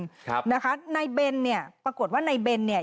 ครับนะคะนายเบนเนี่ยปรากฏว่านายเบนเนี่ย